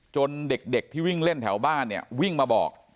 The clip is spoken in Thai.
เด็กที่วิ่งเล่นแถวบ้านเนี่ยวิ่งมาบอก